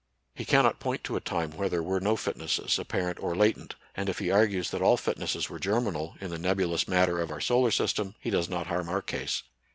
He cannot point to a time where there were no fitnesses, apparent or latent, and if he argues that all fitnesses were germinal in the nebulous matter of our solar system, he does not harm our case.